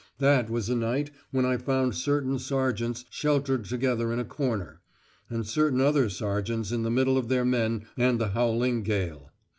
That was a night when I found certain sergeants sheltered together in a corner; and certain other sergeants in the middle of their men and the howling gale.